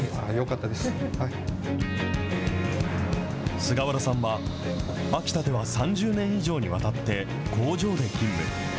菅原さんは、秋田では３０年以上にわたって工場で勤務。